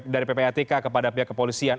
dari ppatk kepada pihak kepolisian